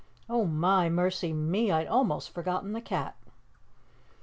Oh, my, mercy me! I'd almost forgotten the cat."